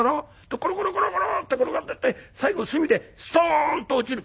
コロコロコロコロって転がってって最後隅でストーンと落ちる。